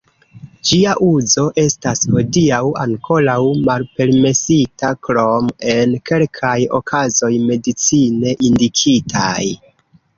Ĝia uzo estas hodiaŭ ankoraŭ malpermesita krom en kelkaj okazoj medicine indikitaj.